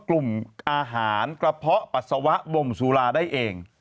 กลุ่มอาหารกระเพาะปัสสาวะบ่มสุราได้เอง